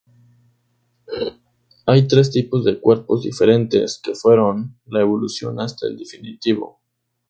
Hay tres tipos de cuerpos diferentes, que fueron la evolución hasta el definitivo.